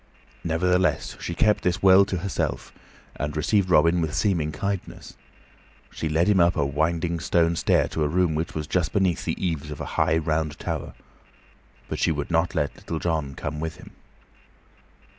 Nevertheless, she kept this well to herself and received Robin with seeming kindness. She led him up the winding stone stair to a room which was just beneath the eaves of a high, round tower; but she would not let Little John come with him.